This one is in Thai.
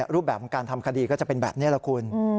รูปแบบของการทำคดีก็จะเป็นแบบนี้แหละคุณ